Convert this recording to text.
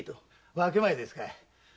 分け前ですか？